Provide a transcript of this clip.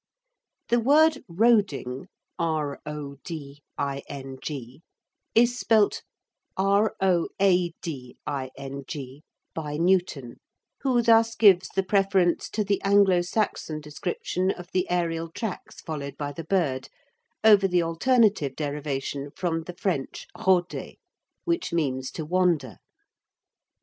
The word "roding" is spelt "roading" by Newton, who thus gives the preference to the Anglo Saxon description of the aërial tracks followed by the bird, over the alternative derivation from the French "roder," which means to wander.